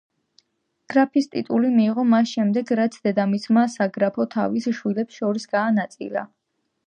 გრაფის ტიტული მიიღო მას შემდეგ, რაც დედამისმა საგრაფო თავის შვილებს შორის გაანაწილა.